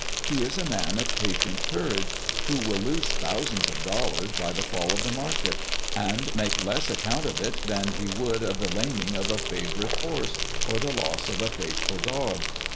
He is a man of patient courage, who \vill lose thousands of dollars by the fall of the market, and make less account of it than he would of the laming of a favourite horse, or the loss of a faithful dog.